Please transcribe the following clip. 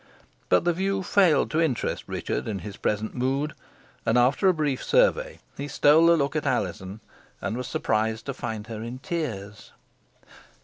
But the view failed to interest Richard in his present mood, and after a brief survey, he stole a look at Alizon, and was surprised to find her in tears.